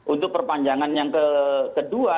untuk perpanjangan yang kedua